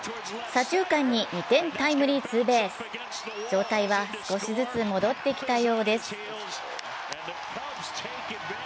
左中間に２点タイムリーツーベース状態は少しずつ戻ってきたようです。